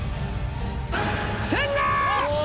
千賀！